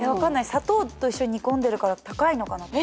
砂糖と一緒に煮込んでるから高いのかな。